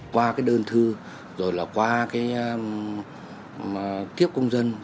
qua đơn thư rồi là qua kiếp công dân